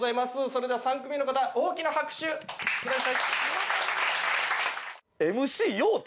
それでは３組目の方大きな拍手ください。